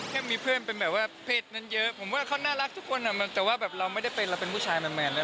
แค่มีเพื่อนเป็นแบบว่าเพศนั้นเยอะผมว่าเขาน่ารักทุกคนแต่ว่าแบบเราไม่ได้เป็นเราเป็นผู้ชายแมนเลย